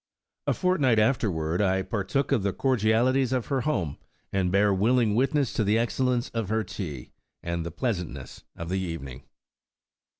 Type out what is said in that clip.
A fortnight afterward I partook of the cordialities of her home, and bear willing witness to the excellence of her tea, and the pleasantness of the evening."